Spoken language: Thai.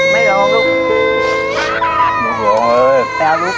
ไม่ร้องลูก